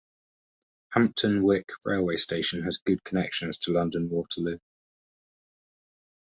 Hampton Wick railway station has good connections to London Waterloo.